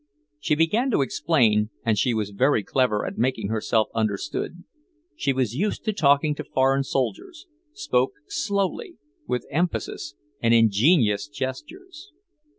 She began to explain, and she was very clever at making herself understood. She was used to talking to foreign soldiers, spoke slowly, with emphasis and ingenious gestures.